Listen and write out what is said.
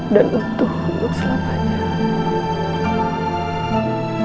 dan untuh untuk selamanya